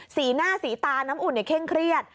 สีหน้าสีตาน้ำอุ่นเคร่งเครียด